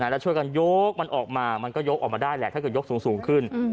แล้วช่วยกันยกมันออกมามันก็ยกออกมาได้แหละถ้าเกิดยกสูงขึ้น